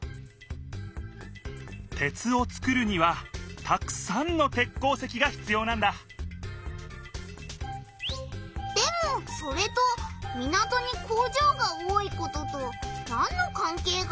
鉄を作るにはたくさんの鉄鉱石がひつようなんだでもそれと港に工場が多いこととなんのかんけいがあるんだ？